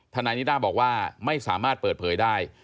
ทนายนิด้าบอกว่าไม่สามารถเปิดเผยได้